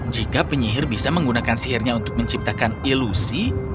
jika penyihir bisa menggunakan sihirnya untuk menciptakan ilusi